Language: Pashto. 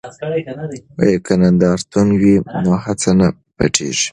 که نندارتون وي نو هڅه نه پټیږي.